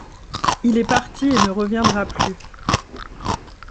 Il est parti et ne reviendra plus.